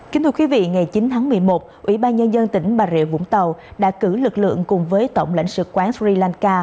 kính thưa quý vị ngày chín tháng một mươi một ủy ban nhân dân tỉnh bà rịa vũng tàu đã cử lực lượng cùng với tổng lãnh sự quán sri lanka